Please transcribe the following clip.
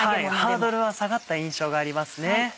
ハードルは下がった印象がありますね。